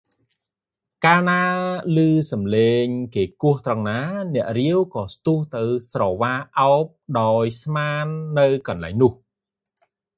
កាលណាឮស្នូរសំឡេងគេគោះត្រង់ណា អ្នករាវក៏ស្ទុះទៅស្រវាឱបដោយស្មាននៅកន្លែងនោះ